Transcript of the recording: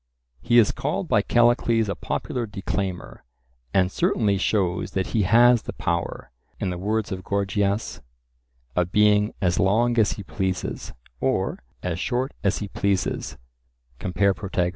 He is called by Callicles a popular declaimer, and certainly shows that he has the power, in the words of Gorgias, of being "as long as he pleases," or "as short as he pleases" (compare Protag.).